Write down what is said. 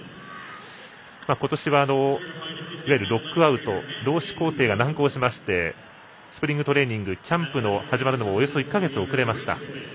今年は、いわゆるロックアウト労使交渉が難航しましてスプリングトレーニングキャンプ開始がおよそ１か月遅れました。